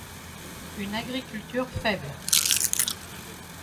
Une agriculture faible.